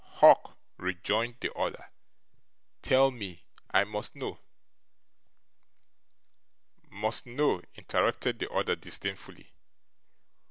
'Hawk,' rejoined the other, 'tell me; I must know.' 'MUST know,' interrupted the other disdainfully.